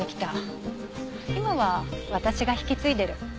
今は私が引き継いでる。